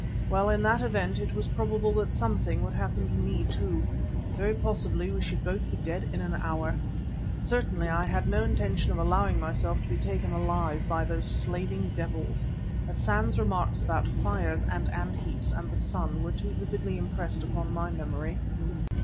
Well, in that event, it was probable that something would happen to me too. Very possibly we should both be dead in an hour. Certainly I had no intention of allowing myself to be taken alive by those slaving devils. Hassan's remarks about fires and ant heaps and the sun were too vividly impressed upon my memory.